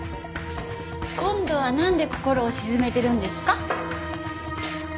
今度はなんで心を静めてるんですか？